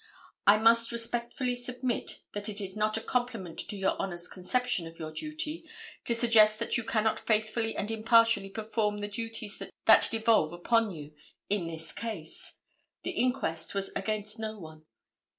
I must respectfully submit that it is not a compliment to your Honor's conception of your duty, to suggest that you cannot faithfully and impartially perform the duties that devolve upon you in this case. The inquest was against no one.